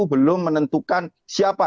belum menentukan siapa